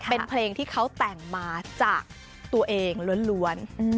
เป็นเพลงที่เขาแต่งมาจากตัวเองล้วน